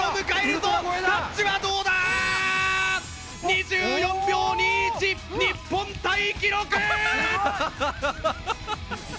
２４秒２１！日本タイ記録！